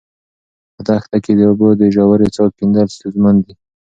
په دښته کې د اوبو د ژورې څاه کیندل ستونزمن دي.